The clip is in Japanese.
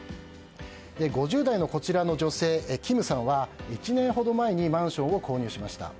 ５０代のこちらの女性キムさんは１年ほど前にマンションを購入しました。